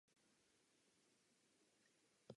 Po čase začnou někteří upadat do bezvědomí.